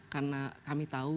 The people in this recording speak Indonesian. karena kami tahu